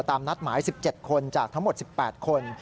ตามนัดหมาย๑๗คนจากทั้งหมด๑๘คน